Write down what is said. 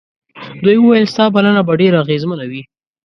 دوی وویل ستا بلنه به ډېره اغېزمنه وي.